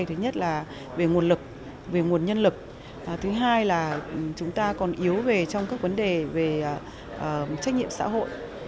thứ nhất là về nguồn lực về nguồn nhân lực thứ hai là chúng ta còn yếu về trong các vấn đề về trách nhiệm xã hội